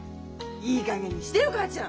いいかげんにしでよ母ちゃん！